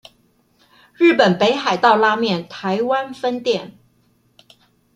日本北海道拉麵台灣分店